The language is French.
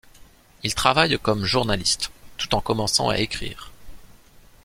Il travaille comme journaliste, tout en commençant à écrire.